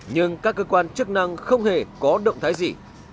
nhưng các cơ quan chức năng không hề có động thái gì